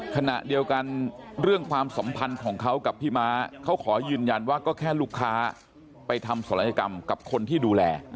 ขณะเดียวกันเรื่องความสัมพันธ์ของเขากับพี่ม้าเขาขอยืนยันว่าก็แค่ลูกค้าไปทำศัลยกรรมกับคนที่ดูแล